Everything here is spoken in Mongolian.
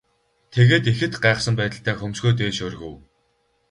Тэгээд ихэд гайхсан байдалтай хөмсгөө дээш өргөв.